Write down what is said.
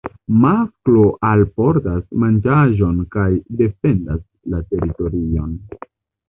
Masklo alportas manĝaĵon kaj defendas la teritorion.